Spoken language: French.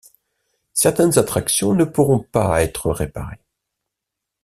Certaines attractions ne pourront pas être réparées.